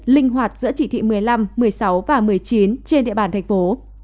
linh hoạt giữa chỉ thị một mươi năm một mươi sáu và một mươi chín trên địa bàn thành phố